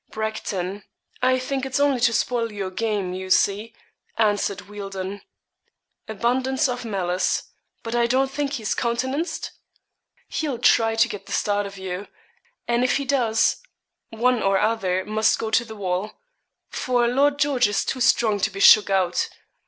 'Bracton. I think it's only to spoil your game, you see,' answered Wealdon. 'Abundance of malice; but I don't think he's countenanced?' 'He'll try to get the start of you; and if he does, one or other must go to the wall; for Lord George is too strong to be shook out.